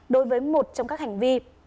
đối với một trong các hành vi